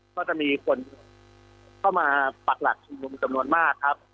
ก็จะมีคนเข้ามาปักหลักชุมนุมจำนวนมากครับ